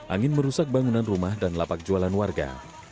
angin merusak bangunan rumah dan lapak jualan warga